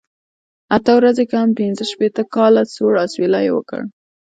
اته ورځې کم پنځه شپېته کاله، سوړ اسویلی یې وکړ.